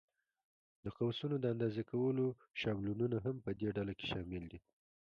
د قوسونو د اندازې کولو شابلونونه هم په دې ډله کې شامل دي.